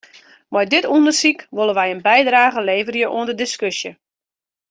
Mei dit ûndersyk wolle wy in bydrage leverje oan de diskusje.